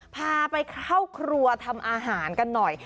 พาไปเข้าครัวทำอาหารกันหน่อย